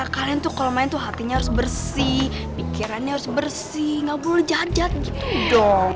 kalian tuh kalau main tuh hatinya harus bersih pikirannya harus bersih gak boleh jajat gitu dong